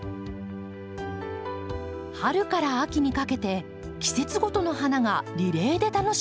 春から秋にかけて季節ごとの花がリレーで楽しめる庭。